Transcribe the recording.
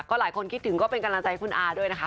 หลายคนคิดถึงก็เป็นกำลังใจให้คุณอาด้วยนะคะ